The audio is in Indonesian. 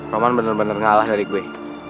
roman bener bener kalah dari gue